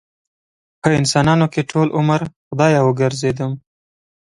په انسانانو کې ټول عمر خدايه وګرځېدم